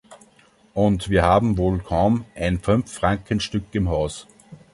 Und wir haben wohl kaum ein Fünffrankenstück im Haus.